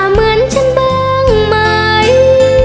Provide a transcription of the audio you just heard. เหมือนฉันบ้างไหม